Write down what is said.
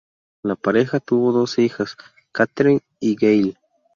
La pareja tuvo dos hijas, Katherine y Gail.